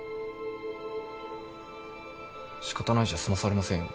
仕方ないじゃ済まされませんよ。